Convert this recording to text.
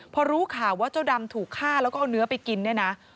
พอรู้ข่าวว่าเจ้าดำถูกฆ่าแล้วก็เอาเนื้อไปกินเนี่ยนะ